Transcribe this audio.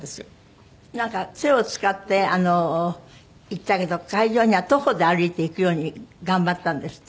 なんか杖を使って行ったけど会場には徒歩で歩いていくように頑張ったんですって？